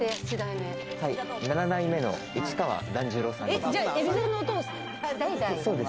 ７代目の市川團十郎さんです。